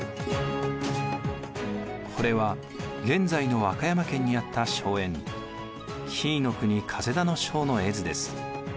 これは現在の和歌山県にあった荘園紀伊国田荘の絵図です。